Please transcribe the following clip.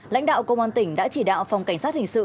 lãnh đạo công an tỉnh đã chỉ đạo phòng cảnh sát hình sự